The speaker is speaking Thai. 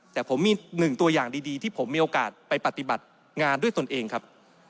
แต่ผมมีหนึ่งตัวอย่างดีที่ผมมีโอกาสไปปฏิบัติงานด้วยตนเองครับ